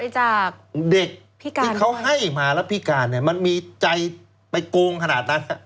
จากเด็กพิการที่เขาให้มาแล้วพิการเนี่ยมันมีใจไปโกงขนาดนั้น